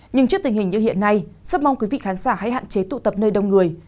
nhưng trước tình hình như hiện nay rất mong quý vị khán giả hãy hạn chế tụ tập nơi đông người